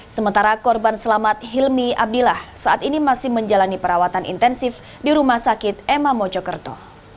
sementara korban selamat hilmi abdillah saat ini masih menjalani perawatan intensif di rumah sakit emma mojokerto